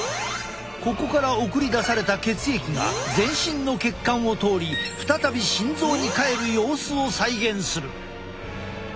ここから送り出された血液が全身の血管を通り再び心臓に帰る様子を再現する。